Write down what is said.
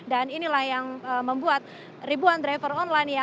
dan inilah yang membuat ribuan driver online